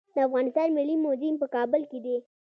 د افغانستان ملي موزیم په کابل کې دی